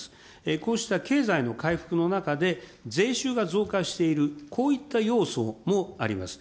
こうした経済の回復の中で、税収が増加している、こういった要素もあります。